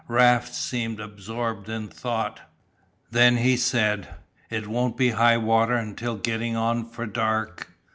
Raft seemed absorbed in thought. Then he said: "It won't be high water until gettin' on for dark.